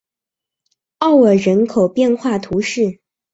奥尔人口变化图示